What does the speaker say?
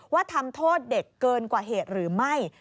ว่าทำโทษเด็กเกินกว่าเหตุหรือไม่